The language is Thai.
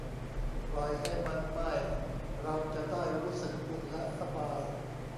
ปล่อยให้มันไหม้ เราจะได้รู้สึกอุ่นและสบาย